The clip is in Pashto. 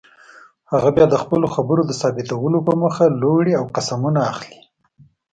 هغه بیا د خپلو خبرو د ثابتولو په موخه لوړې او قسمونه اخلي.